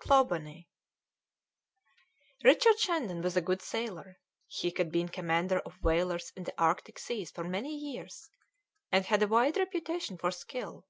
CLAWBONNY Richard Shandon was a good sailor; he had been commander of whalers in the Arctic seas for many years, and had a wide reputation for skill.